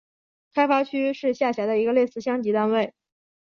开发区是下辖的一个类似乡级单位。